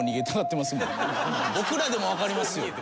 僕らでもわかりますよ。